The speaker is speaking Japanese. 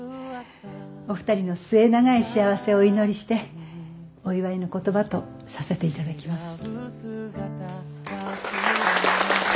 お二人の末永い幸せをお祈りしてお祝いの言葉とさせていただきます。